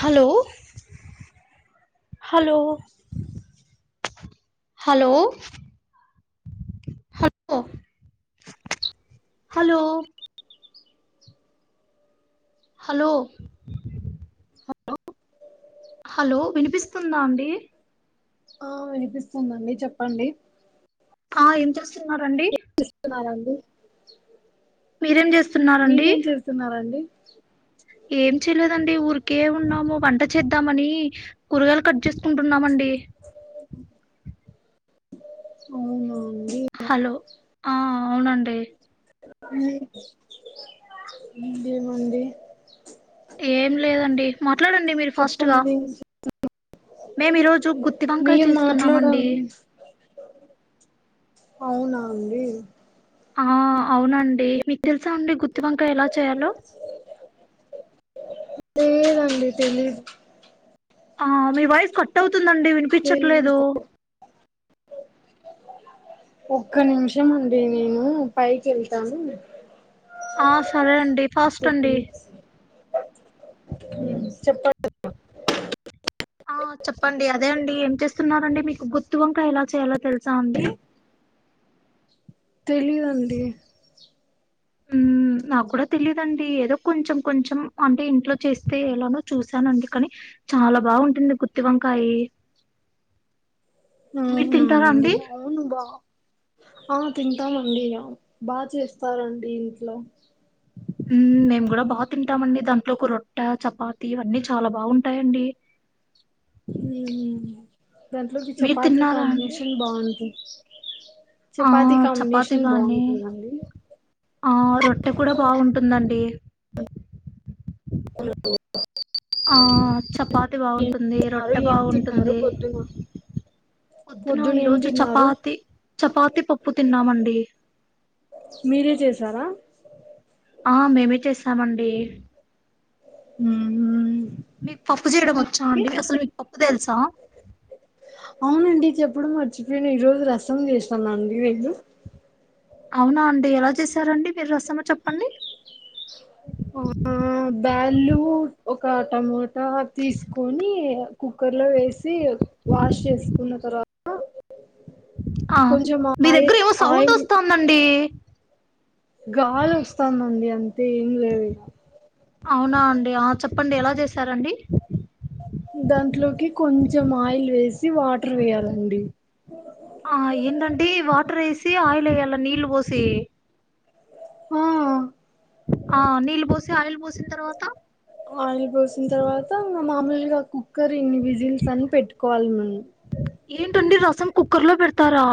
Hello hello hello hello hello hello hello hello వినిపిస్తుందా అండి ఆ వినిపిస్తుందండి చెప్పండి ఆ ఎం చేస్తున్నారండి స్తున్నరండి మీరేం చేస్తున్నారండి మీరేం చేస్తున్నారండి ఏం చేయలేదండి ఊరికే ఉన్నాము వంట చేద్దామని కూరగాయలు కట్ చేసుకుంటున్నామండి అవునా అండి హలో ఆ అవునండి ఇంగేమండి ఏం లేదండి మాట్లాడండి మీరు ఫస్ట్ గా చెప్పండి మేము ఈరోోజు గుత్తి వంకయ మీరు చేస్తున్నామండి మాట్లాడండి అవునా అండి ఆ అవునండి మీకు తెలుసా అండి గుత్తి వంకయ ఎలా చేయాలో తె దండి తెలియదు ఆ మీ వాయిస్ కట్ అవుతుందండి వినిపించట్లేదు తెలీదు ఒక్క నిమిషం అండి నేను పైకి వెళ్తాను ఆ సరే అండి ఫస్ట్ అండి చెప్ప ఆ చెప్పండి అదే అండి ఏం చేస్తున్నరండి మీకు గుత్తి వంకయ ఎలా చేయాలో తెలుసా అండి తెలీయదండి మ్ నాకు కూడా తెలియదండి ఏదో కొంచెం కొంచెం అంటే ఇంట్లో చేస్తే ఎలానో చూసానండి కానీ చాలా బాగుంటుంది గుత్తివంకాయి అవున అండి అవును బా ఆ తింటామండి బాగా చేస్తారండి ఇంట్లో మ్ మేము కూడా బాగా తింటామండి దాంట్లో కూ రొట్ట చపాతి అవన్నీ చాలా బాగుంటాయండి మ్ హు దాంట్లోకి మీరు చపాతి తిన్నారా అండి కాంబినేషన్ బాగుంటుంది ఆ చపాతి చపాతి కాంబినేషన్ గాని బాగుంటుందండి ఆ రొట్టె కూడా బాగుంటుందండి ఓ ఆ చపాతి బాగుంటుంది తిన్నారు రొట్టె ఏం తిన్నారు బాగుంటుంది పొద్దున పొద్దున ఈ ఏం రోజు తిన్నారు చపాతి చపాతి పప్పు తిన్నామండి మీరే చేసారా ఆ మేమే చేస్తమండి ఉహు మీకు పప్పు చేయడం ఒచ్చా అండి అసలు మీకు పప్పు తెల్సా అవునండి చెప్పడం మర్చిపోయినా ఈ రోజు రసం జేసనండి నేను అవునా అండి ఎలా చేసారండి మీరు రసమ చెప్పండి ఆ బ్యాళ్ళు ఒక టమోటా తీస్కొని కుక్కర్లో వేసి వాష్ చేస్కున్న తర్వాత అ కొంచెం మీ ఆయి దగ్గర ఏమో సౌండ్ ఆయిల్ ఒస్తుందండి. గాల్ అస్తాందండి అంతే ఏం లేదు అవునా అండి ఆ చెప్పండి ఎలా చేసారండి. దాంట్లోకి కొంచెం ఆయిల్ వేసి వాటర్ వేయాలండి. ఆ ఏంటండి వాటర్ ఎసి ఆయిల్ ఎయ్యాల నీళ్లు వోసి ఆ ఆ నీళ్ళు బోసి ఆయిల్ బోసిన్ తర్వాత ఆయిల్ బోసిన్ తర్వాత ఇంగ మాముల్గ కుక్కర్ ఇన్ని విజిల్స్ అని పెట్టుకోవాలి మన్ము ఏంటండి రసం కుక్కర్లో పెడ్తారా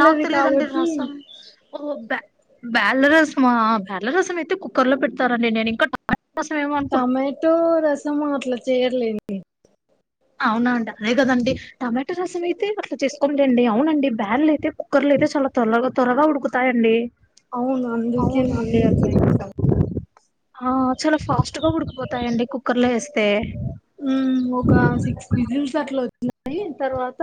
నాకు తెలియదండి కాబట్టి రసం ఓ బ్యాల్ల రసమా బ్యాల్ల రసం అయితే కుక్కర్లో పెడ్తారండి నేను ఇంకా టమాటా రసం ఏమో అనుకుంట టమాటో రసం అట్లా చెయ్యర్లేండి అవున అండ అదే గదండి టమెటా రసం అయితే అట్లా చేస్కోని లెండి అవునండి బ్యాన్లు అయితే కుక్కర్లు అయితే చాలా తోల్లగా తోరగా ఉడుకుతాయండి. అవును అవున అందుకేనండి అట్లా ఆ చాలా ఫాస్ట్గా ఉడుక్పోతాయండి కుక్కర్లో ఎస్తే ఉమ్ ఒక సిక్స్ బిజిన్స్ అట్లా ఒచ్చినాయి తర్వాత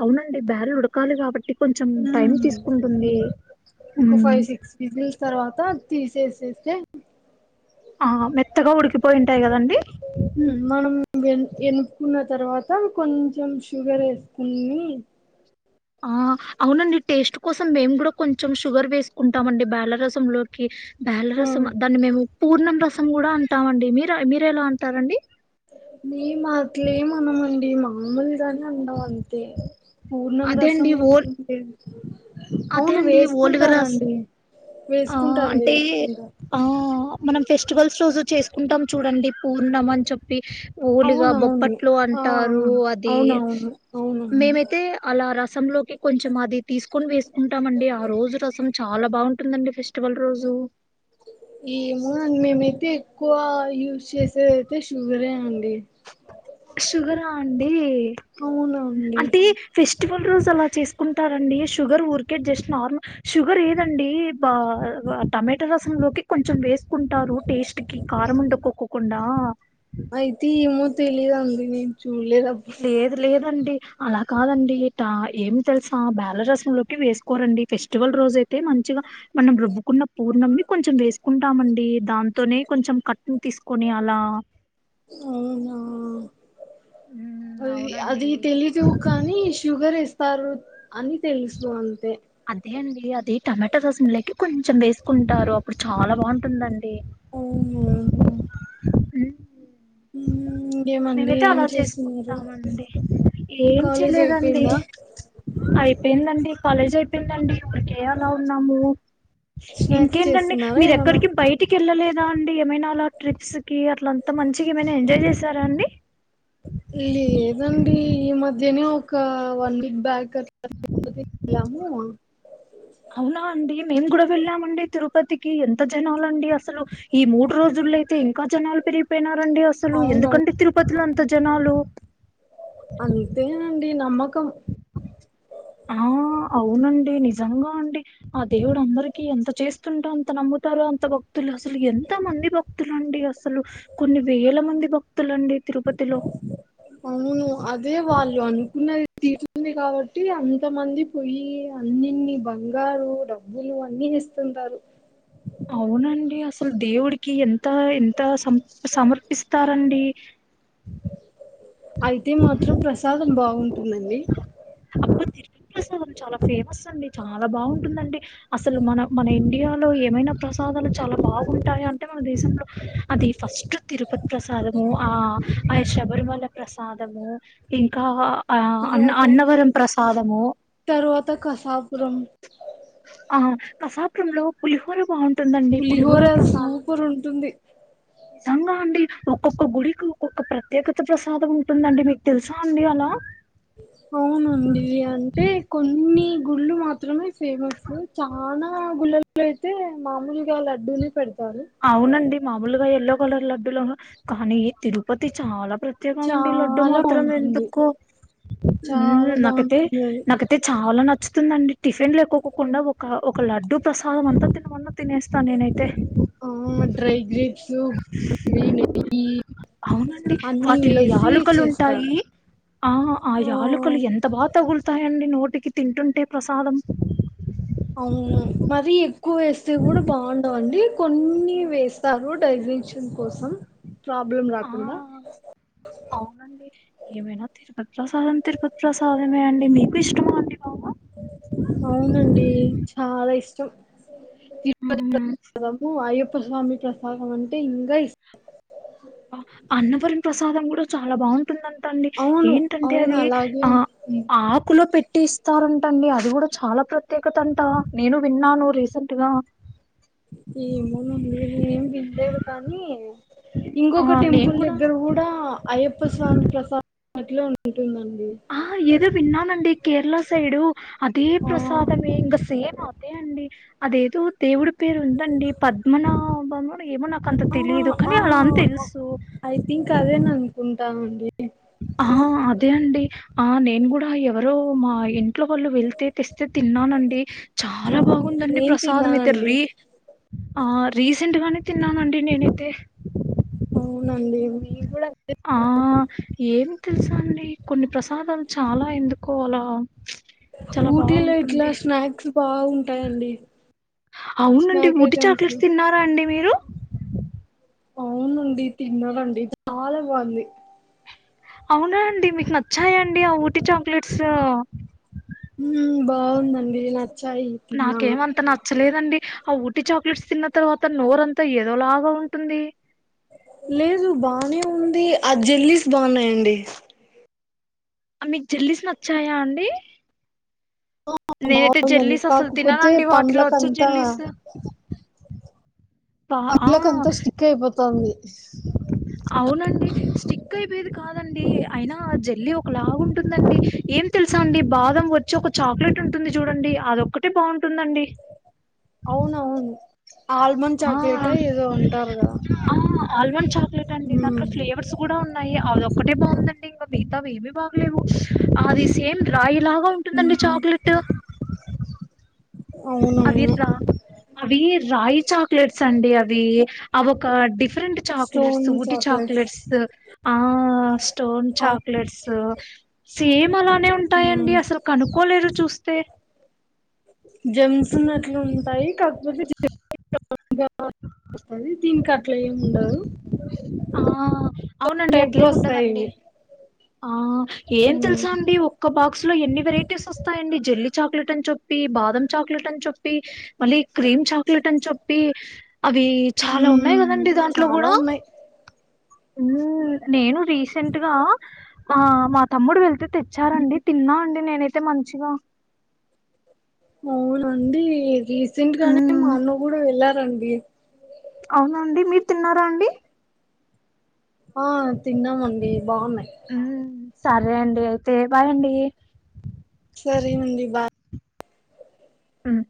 అవునండి బ్యర ఉడకాలి కాబట్టి కొంచెం టైమ్ తీస్కుంటుంది. ఒక ఫైవ్ సిక్స్ విజిల్స్ తర్వాత తీసేసేస్తే ఆ మెత్తగా ఉడికిపోయింటాయి గదండి. హు మనం వె ఎనుప్కున్న తర్వాత కొంచెం షుగర్ వేస్కుని ఆ అవునండి టేస్ట్ కోసం మేం గూడా కొంచెం షుగర్ వేస్కుంటామండి బ్యాల్లరసంలో కి బ్యాల్ల రసం దాన్ని మేము పూర్ణం రసం గూడా అంటామండి మీర మీరు ఎలా అంటారండి మేమాట్లేంనమండి మామూల్గానే అన్నాం అంకి పూర్ణం అదే రసం అండి ఓల్ ఉంటే అదే అవును అండి ఓలుగ రస్ వేస్కుంటారండి ఆ వేస్కుంటారు అంటే వేస్కుంటారు. ఆ మనం ఫెస్టివల్స్ రోజు చేస్కుంటాం చూడండి పూర్ణం అన్ చెప్ ఊల్గా అవునవును బొప్పట్లు ఆ అంటారు అది అవునవును అవునవును మేమైతే అలా రసంలోకి కొంచం అది తీస్కొని వేస్కుంటామండి ఆ రోజు రసం చాలా బావుంటుందండి ఫెస్టివల్ రోజు ఏమో మేమైతే ఎక్కువా యూజ్ చేసే అయితే షుగరే అండి షుగరా అండీ అవునాండి ఫెస్టివల్ రోజు అలా చేస్కుంటారండి షుగర్ ఊర్కే జస్ట్ నార్మల్ షుగర్ ఏదండీ బ ఆ టమాటా రసంలోకి కొంచెం వేస్కుంటారు టేస్ట్ ఇట్టికి కారం ఉండకోక్కకుండా. అయితే ఏమో తెలీదు అంది నేను చూలేద లేదు లేదండి అలా కాదండి ట ఏమి తెలుసా బ్యాలరసంలోకి వేసుకోలండీ ఫెస్టివల్ రోజ అయితే మంచిగా మనం రుబ్బుకున్న పూర్ణమ్మి కొంచెం వేసుకుంటామండి దాంతోనే కొంచెం కట్న్ తీసుకొని అలా అవునా ఉమ్ అ అవునండి అది తెలీదు కానీ షుగర్ ఏస్తారు. అని తెలుసు అంతే అదే అండి అది టమోటో రసం లెక్క కొంచెం వేసుకుంటారు అప్పుడు చాలా బాగుంటుందండి. ఊ ఉ ఉమ్, ఇంకేమండి మేమైతే ఏం అలా చేస్తున్నారు చేసుకుంటామండి ఏం కాలేజ్ చేయలేదండి. అయిపోయిందా అయిపోయిందండి. కాలేజీ అయిపోయిందండి. ఊరికే అలా ఉన్నాము. స్నాక్స్ ఇంకేంటండి చేస్తున్నారా ఏమన్నా మీరెక్కడికి బయట ఇంటికి వెళ్ళలేదా అండి ఏమైనా అలా ట్రిప్స్ కి అట్లా అంతా మంచిగా ఏమనా ఎంజాయ్ చేసారఅండి. లేదండి ఈ మధ్యనే ఒక వన్ వీక్ బ్యాక్ అట్లా [inaudible] లము అవునా అండి మేము గుడా వెళ్ళామండి తిరుపతికి ఎంత జనాలండి అసలు ఈ మూడు రోజులు అయితే ఇంకా జనాలు పెరిగిపోయినారండి అస్ అసలు అవునవును ఎందుకండి తిరుపతిలో అంత జనాలు అంతేనండి నమ్మకం ఆ అవునండి నిజంగా అండి ఆ దేవుడు అందరికీ ఎంత చేస్తుంటా అంత నమ్ముతారో అంత భక్తులు అసలు ఎంత మంది భక్ భక్తులండి అసలు కొన్ని వేల మంది భక్తులండి తిరుపతిలో. అవును అదే వాళ్ళు అనుకున్నది. తీర్చుతుంది కాబట్టి అంతమంది పొయి అన్నిన్ని బంగారు డబ్బులు అన్ని ఇస్త ఉంటారు. అవునండి. అసలు దేవుడికి ఎంత ఎంత సమ సమర్పిస్తారండి. అయితే మాత్రం ప్రసాదం బాగుంటుందండి. అబ్బా తిరుమల ప్రసాదం చాలా ఫేమస్ అండి. చాలా బాగుంటుందండి. అసలు మన మన ఇండియాలో ఏమైనా ప్రసాదాలు చాలా బాగుంటాయా అంటే మన దేశంలో అది ఫస్ట్ తిరు ప్రసాదము ఆ ఆ శబరిమల ప్రసాదము. ఇంకా ఆ అ అన్నవరం ప్రసాదము. తరువాత కసాపురం. ఆ కసాపురం లో పులిహోర బాగుంట ఉంటుందండీ పులిహోర పులిహోరా ప్రసాదం. సూపర్ ఉంటుంది నిజంగా అండి ఒక్కొక్క గుడికి ఒక్కొక్క ప్రత్యేకత ప్రసాదం ఉంటుందండి. మీకు తెలుసా అండి అలా అవునండి. అంటే కొన్ని గుళ్ళు మాత్రమే ఫేమస్ అ చానా గుళ్లల్లో అయితే మామూలుగా లడ్డూనే పెడతారు. అవునండి మామూలుగా ఎల్లో కలర్ లడ్డూలను కానీ తిరుపతి చాలా ప్ర ప్రత్యేకమండి లడ్డు చాలా మాత్రం బాగుంటుంది ఎందుకు చాలా నాకతే బాగుంటుంది అది నాక తే చాలా నచ్చుతుందండి టిఫిన్ లె ఎక్కకుండా ఒక లడ్డు ప్రసాదం అంతా తినమన్న తినేస్తానేనైతే డ్రై గ్రేప్స్ గు [inaudible] నెయ్యి అవునండి అన్ని వాటిల్లో వేసి యాలకలు చేస్తారు ఉంటాయి. ఆ ఆ యలుకలు ఎంత బాగా తగులుతాయండి. నోటికి తింటుంటే ప్రసాదం. అవును మరీ ఎక్కువ వేస్తే కూడా బాగుండవు. అండి కొన్ని వేస్త తరు డైజెన్షన్ కోసం ప్రాబ్లం ఆ రాకుండా అవునండి ఏమైనా తిరుపతి ప్రసాదం తిరుపతి ప్రసాదమే అండి మీకు ఇష్టమ అండి బాగా అవునండి చాలా ఇష్టం తిరుపతి ప్రసాదము అయ్యప్ప స్వామి ప్రసాదం అంటే ఇంకా ఇస్ అన్నవరం ప్రసాదం కూడా చాలా బాగుం ఉంటుందంటా అండి అవును ఏంటంటే అవును అది అలాగే ఆ ఉంటుంది. ఆకులో పెట్టి ఇస్తే ఇస్తారంటండి అది కూడా చాలా ప్రత్యేకత అంట నేను విన్నాను రీసెంట్ గా ఏమోనండి నేనేం వినలేదు కానీ ఆ ఇంకొక నేను టెంపుల్ దగ్గర కూడా అయ్యప్ప స్వామి ప్రసాదం అట్లే ఉంటుందండి ఆ ఏదో విన్నానండి. కేరళ సైడు అదే ఆ ప్రసాదమే ఇంక సేమ్ అదే అండి అదేదో దేవుడి పేరుందండి పద్మనాభముడు ఏమో నాకు అంత తెలిదు ఆ ఆ కానీ అలా అని తెలుసు ఐ థింక్ అదే అనుకుంటా నండి ఆహా అదే అండి ఆ నేను కూడా ఎవరో మా ఇంట్లో వాళ్ళు వెళ్తే తెస్తే తిన్నానండి చాలా బాగుందండి నేను ప్రసాదం అయితే తిన్నానండి రే ఆ రీసెంట్గానే తిన్నా నండి నేనైతే అవునండి మీరు కూడా ఆ ఏం తెలుసా అండి కొన్ని ప్రసాదాలు చాలా ఎందుకో అండి అలా చాలా ఊటీలో ఇట్లా బావుంటుంది. స్నాక్స్ బాగుంటాయండి. అవునండి స్నాక్ బూటీ ఐటమ్స్ చాక్లెట్స్ తిన్నారా అండి మీరు అవునండి తిన్నాడండి చాలా బాగుంది అవునా అండి మీకు నచ్చాయండి ఆ ఊట్టి చాక్లెట్స్ ఆ బాగుందండి నచ్చాయి తిన్నాను నాకేమంత నాచ్చ నచ్చలేదండి ఆ ఊట్టి చాక్లెట్స్ తిన్న తర్వాత నోరంతా ఏదోలాగా ఉంటుంది లేదు బానే ఉంది. ఆ జెల్లీస్ బాగున్నాయండి మీకు జల్లిస్ నాచ్చాయా అండి. నేనైతే బాగుందండి జల్లీస్ అసలు తిన్నాను కాకపోతే అండి వాటిలో వచ్చే పండ్లకంతా జల్లీస్ పనీ ఆ లోకి అంతా స్టిక్ అయిపోత ఉంది. అవునండి స్టిక్ అయిపోయేది కాదండి. అయినా జల్లి ఒక లాగుంటుందండి ఏం తెలుసా అండి. బాదం వచ్చి ఒక చాక్లెట్ ఉంటుంది. చూడండి అదొక్కటే బాగుంటుందండి. అవును అవును ఆల్మండ్ ఆ చాక్లెట్ ఏదో అంటారు కదా ఆ ఆల్మండ్ చాక్లెట్ అండి ఉమ్ దాంట్లో ఫ్లేవర్స్ కూడా ఉన్నాయి. అది ఒక్కటే బాగుందండి ఇంకా మిగతావి ఏమీ బాగలేవు అది సేమ్ రాయిలాగా ఉంటుందండి. ఉమ్ చాక్లెట్ అవి అవునవును రా అవి రాయి చాక్లెట్స్ అండి అవి అవి ఒక డిఫరెంట్ చాక్లెట్స్ ఊట్టి చాక్లెట్స్ ఆ స్టోన్ చాక్లెట్స్ సేమ్ అలానే ఉంటాయండి. అసలు కనుక్కోలేరు చూస్తే జేమ్స్ ఉన్నట్లు ఉంటాయి. కాకపోతే జెమ్ దీనికి అట్ల ఏమి ఉండదు ఆ అవునండి టైప్ లో అట్లేమి వస్తాయి ఉండదండి ఇవి ఆ ఏం తెలుసా అండి ఒ క్క బాక్స్ లో ఎన్ని వెరైటీస్ వస్తాయండి జల్లి చాక్లెట్ అని చేప్పి బాదం చాక్లెట్ అని చేప్పి మళ్ళీ క్రీమ్ చాక్లెట్ అని చెప్పి అవి చాలా ఉన్నాయి కదండి దాంట్లో చాలా కూడా ఉన్నాయి మ్ నేను రీసెంట్గా ఆ మా తమ్ముడు వెళ్తే తెచ్చారండి తిన్నా అండి నేనైతే మంచిగా అవునండి రీసెంట్ గానే మా హ్మ్. అన్న కూడా వెళ్లారండి అవున అండి మీరు తిన్నారా అండి ఆ తిన్నామండి బాగున్నాయి మ్ సరే అండి అయితే బాయండి సరే అండి బా మ్